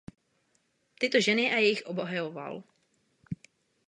Tyto ženy a jejich obhajoval.